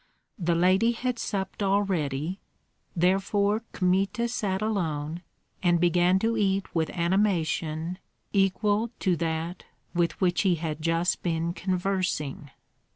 The lady had supped already; therefore Kmita sat alone, and began to eat with animation equal to that with which he had just been conversing.